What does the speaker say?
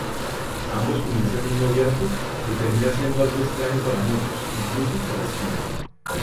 Ambos comienzan un noviazgo, que termina siendo algo extraño para muchos, incluso para Skinner.